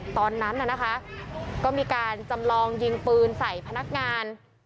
ตอนนั้นน่ะนะคะก็มีการจำลองยิงปืนใส่พนักงาน